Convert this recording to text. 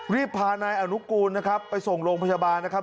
รีบพานายอานุกูลไปส่งลงพยาบาลนะครับ